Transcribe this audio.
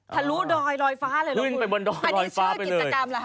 ทะลุดอยลอยฟ้าเลยเหรอคุณอันนี้ชื่อกิจกรรมเหรอฮะ